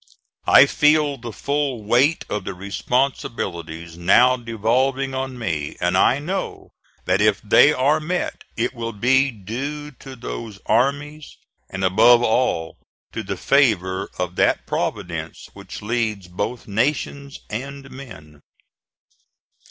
I feel the full weight of the responsibilities now devolving on me; and I know that if they are met, it will be due to those armies, and above all, to the favor of that Providence which leads both nations and men."